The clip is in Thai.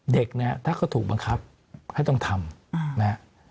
เด็กถ้าเขาถูกบังคับให้ต้องทำ